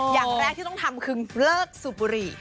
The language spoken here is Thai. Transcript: อย่างแรกที่ต้องทำคือเลิกสูบบุหรี่